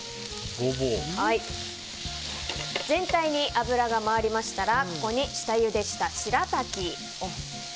全体に油が回りましたらここに下ゆでしたしらたき。